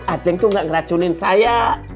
ajaan itu tidak meracun saya